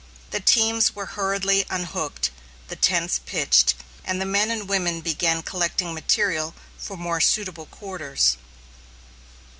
The teams were hurriedly unhooked, the tents pitched, and the men and the women began collecting material for more suitable quarters.